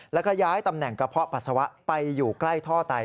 แล้วก็ย้ายตำแหน่งกระเพาะปัสสาวะไปอยู่ใกล้ท่อไต